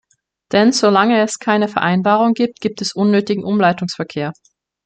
Denn solange es keine Vereinbarung gibt, gibt es unnötigen Umleitungsverkehr.